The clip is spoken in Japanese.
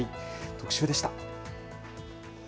特集でした。